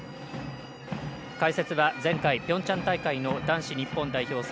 解説は前回ピョンチャン大会の男子日本代表